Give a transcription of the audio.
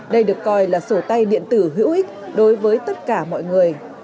đây được coi là sổ tay điện tử hữu ích đối với tất cả mọi người